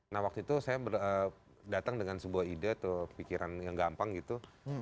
nah waktu itu saya datang dengan sebuah ide atau pikiran yang gampang gitu